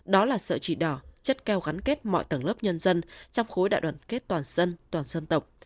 đó là sợi chỉ đỏ chất keo gắn kết mọi tầng lớp nhân dân trong khối đại đoàn kết toàn dân toàn dân tộc